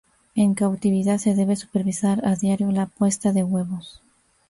En cautividad se debe supervisar a diario la puesta de huevos.